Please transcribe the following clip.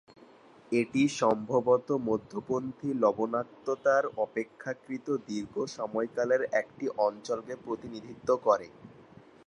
এটি সম্ভবত মধ্যপন্থী লবণাক্ততার অপেক্ষাকৃত দীর্ঘ সময়কালের একটি অঞ্চলকে প্রতিনিধিত্ব করে।